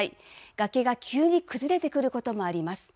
崖が急に崩れてくることもあります。